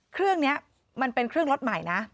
เครื่องนี้มันเป็นเครื่องรถใหม่นะ